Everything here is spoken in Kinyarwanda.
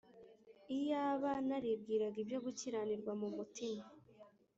Iyaba naribwiraga ibyo gukiranirwa mu mutima